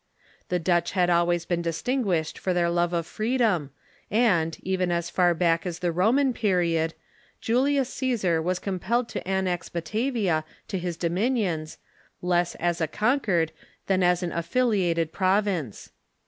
The Dutch had always been distinguished for their love of freedom, and, even as far back as the Roman period, Julius Caesar was compelled to annex Batavia to his dominions, less as a conquered than as an affiliated province.